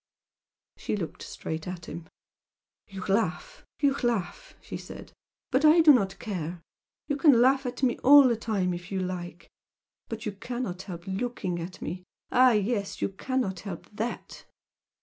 She looked straight at him. "You laugh, you laugh!" she said "But I do not care! You can laugh at me all the time if you like. But you cannot help looking at me! Ah yes! you cannot help THAT!"